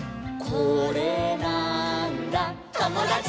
「これなーんだ『ともだち！』」